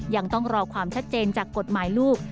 ยังต้องรอความชัดเจนจากกฎหมายลูก